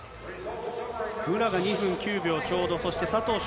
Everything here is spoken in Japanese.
武良が２分９秒ちょうど、そして佐藤翔